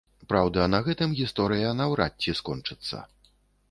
Праўда, на гэтым гісторыя наўрад ці скончыцца.